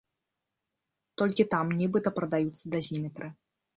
Толькі там нібыта прадаюцца дазіметры.